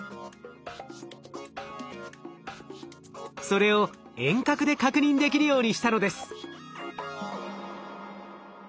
それを遠隔で確認できるようにしたのです。